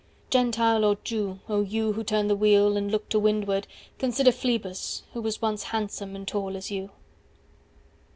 Gentile or Jew O you who turn the wheel and look to windward, 320 Consider Phlebas, who was once handsome and tall as you.